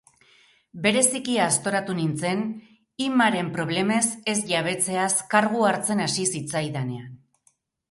Bereziki aztoratu nintzen Immaren problemez ez jabetzeaz kargu hartzen hasi zitzaidanean.